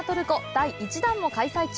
第一弾も開催中！